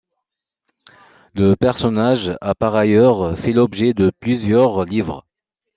Le personnage a par ailleurs fait l'objet de plusieurs livres.